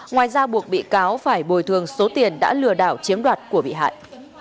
ngoài ra buộc bị cáo phải bồi thường số tiền đã lừa đảo chiếm đoạt của bị hại